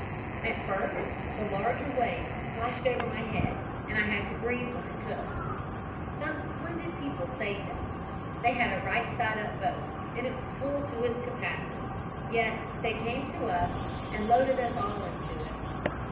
"At first the larger waves splashed over my head and I had to breathe when I could. "Some splendid people saved us. They had a right side up boat, and it was full to its capacity. Yet they came to us and loaded us all into it.